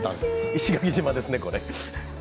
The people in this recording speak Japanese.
石垣島ですね、これ。